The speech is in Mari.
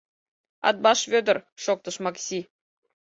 —— Атбаш Вӧдыр, — шоктыш Макси.